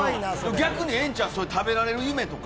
逆にええんちゃう、食べられる夢とか。